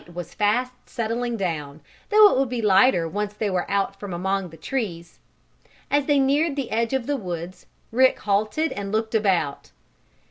Night was fast settling down, though it would be lighter once they were out from among the trees. As they neared the edge of the woods Rick halted and looked about.